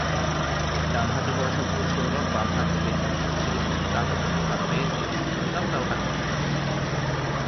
ডানহাতি হওয়া সত্ত্বেও সৌরভ বাম হাতে ব্যাটিং করতে শিখেছিলেন যাতে তিনি তাঁর ভাইয়ের ক্রিকেট সরঞ্জাম ব্যবহার করতে পারেন।